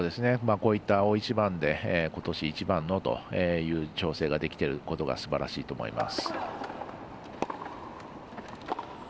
こういった大一番でことし一番のという調整ができてることがすばらしいと思います。